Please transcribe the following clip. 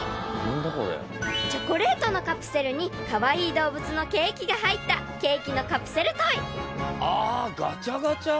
［チョコレートのカプセルにカワイイ動物のケーキが入ったケーキのカプセルトイ］あガチャガチャ？